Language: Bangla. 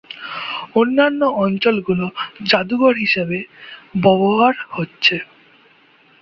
অন্যান্য অঞ্চলগুলো জাদুঘর হিসেবে ব্যবহার হচ্ছে।